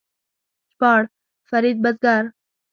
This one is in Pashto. ژباړ: فرید بزګر